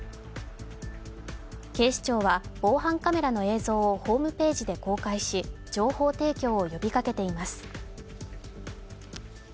警視庁は防犯カメラの映像をホームページで公開し、情報提供を呼びかけています。